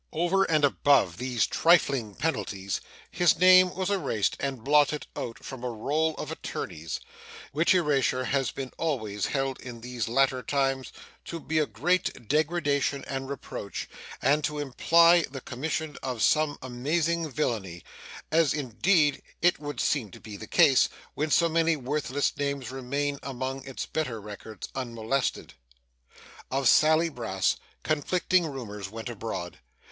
Over and above these trifling penalties, his name was erased and blotted out from the roll of attorneys; which erasure has been always held in these latter times to be a great degradation and reproach, and to imply the commission of some amazing villany as indeed it would seem to be the case, when so many worthless names remain among its better records, unmolested. Of Sally Brass, conflicting rumours went abroad.